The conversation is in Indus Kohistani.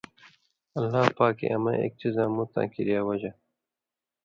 اللہ پاکے امَیں ایک څیز مُتاں کِریا وجہۡ ،